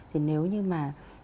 thì nếu như mà